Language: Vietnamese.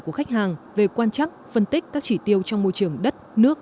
của khách hàng về quan chắc phân tích các chỉ tiêu trong môi trường đất nước